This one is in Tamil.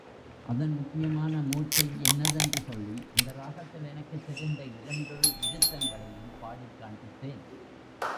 அதன் முக்கியமான மூர்ச்சையின்னதென்று சொல்லி, அந்த ராகத்தில் எனக்குத் தெரிந்த இரண்டொரு விருத்தங்களையும் பாடிக் காண்பித்தேன்.